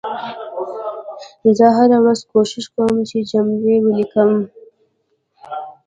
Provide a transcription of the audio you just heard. زه هره ورځ کوښښ کوم چې جملې ولیکم